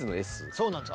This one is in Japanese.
そうなんです。